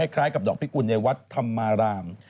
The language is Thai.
คล้ายกับดอกพิกุลในวัดธรรมาราม